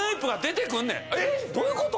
えっどういうこと？